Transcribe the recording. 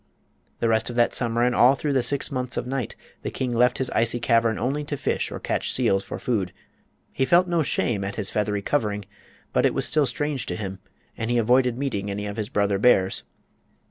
The rest of that summer and all through the six months of night the king left his icy cavern only to fish or catch seals for food. He felt no shame at his feathery covering, but it was still strange to him, and he avoided meeting any of his brother bears.